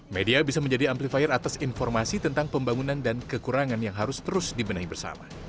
media bisa menjadi amplifier atas informasi tentang pembangunan dan kekurangan yang harus terus dibenahi bersama